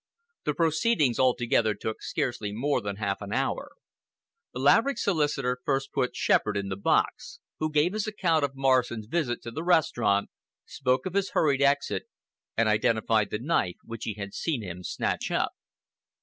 The proceedings altogether took scarcely more than half an hour. Laverick's solicitor first put Shepherd in the box, who gave his account of Morrison's visit to the restaurant, spoke of his hurried exit, and identified the knife which he had seen him snatch up.